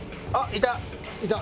いた？